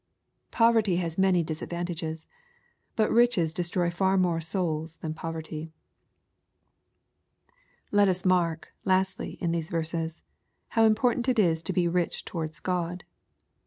Poverty has xnany disadvantages. But riches destroy far more souls than poverty. Let us mark, lastly, in these verses, how important it is to be rich towards God.